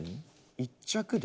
１着で。